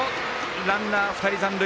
ランナー、２人残塁。